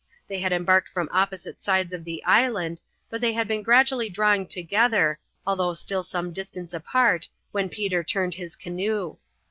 They had embarked from opposite sides of the island, but they had been gradually drawing together, although still some distance apart, when Peter turned his canoe.